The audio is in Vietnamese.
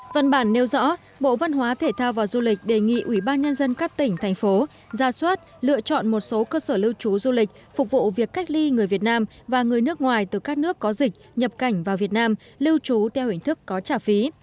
văn bản nêu rõ bộ văn hóa thể thao và du lịch đề nghị ủy ban nhân dân các tỉnh thành phố ra soát lựa chọn một số cơ sở lưu trú du lịch phục vụ việc cách ly người việt nam và người nước ngoài từ các nước có dịch nhập cảnh vào việt nam lưu trú theo hình thức có trả phí